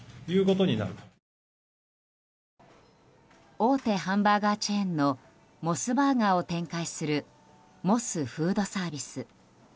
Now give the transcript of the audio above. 大手ハンバーガーチェーンのモスバーガーを展開するモスフードサービス。